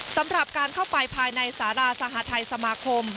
สำหรับการเข้าไปภายในสาราสหทัยสมาคม